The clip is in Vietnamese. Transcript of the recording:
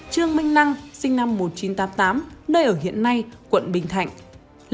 trương minh năng sinh năm một nghìn chín trăm tám mươi tám nơi ở hiện nay quận bình thạnh